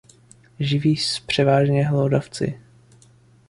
Živí s převážně hlodavci.